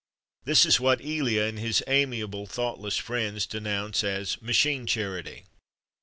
This is what Elia and his amiable, thoughtless friends denounce as "machine charity."